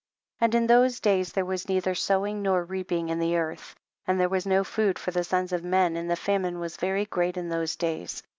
7. And in those days there was neither sowing nor reaping in the earth ; and there was no food for the sons of men and the famine was very great in those days.